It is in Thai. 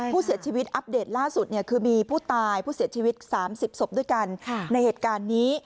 ผู้เสียชีวิตอัปเดตล่าสุดคือมีผู้ตายผู้เสียชีวิต๓๐ศพด้วยกันในเหตุการณ์นี้